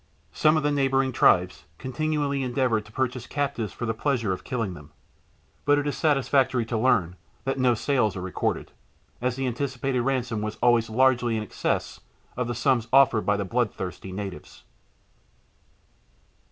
Some of the neighboring tribes continually endeavored to purchase captives for the pleasure of killing them, but it is satisfactory to learn that no sales are recorded, as the anticipated ransom was always largely in excess of the sums offered by the bloodthirsty natives.